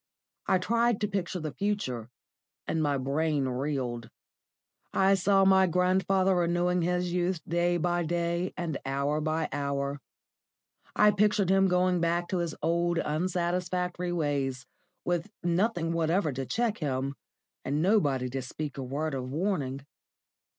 I tried to picture the future, and my brain reeled. I saw my grandfather renewing his youth day by day and hour by hour. I pictured him going back to his old, unsatisfactory ways, with nothing whatever to check him, and nobody to speak a word of warning.